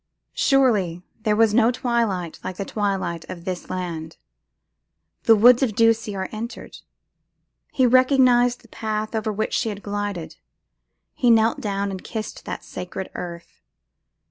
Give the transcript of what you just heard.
Surely there was no twilight like the twilight of this land! The woods of Ducie are entered. He recognised the path over which she had glided; he knelt down and kissed that sacred earth.